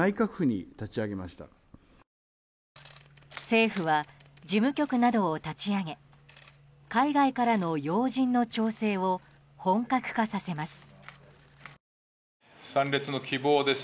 政府は事務局などを立ち上げ海外からの要人の調整を本格化させます。